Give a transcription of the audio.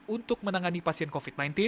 untuk menangani pasien covid sembilan belas